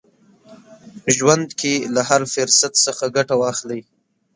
ژوند کې له هر فرصت څخه ګټه واخلئ.